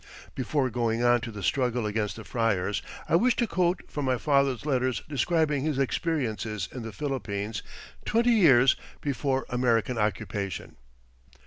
Before going on to the struggle against the friars, I wish to quote from my father's letters describing his experiences in the Philippines twenty years before American occupation.